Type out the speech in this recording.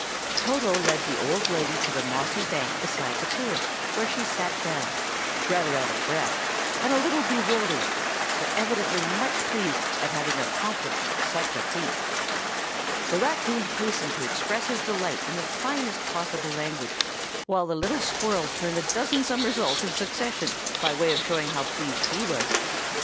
Toto led the old lady to the mossy bank beside the pool, where she sat down, rather out of breath, and a little bewildered, but evidently much pleased at having accomplished such a feat. The raccoon hastened to express his delight in the finest possible language, while the little squirrel turned a dozen somersaults in succession, by way of showing how pleased he was.